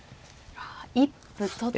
一歩取って。